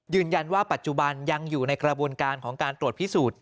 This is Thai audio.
ยืนยันว่าปัจจุบันยังอยู่ในกระบวนการของการตรวจพิสูจน์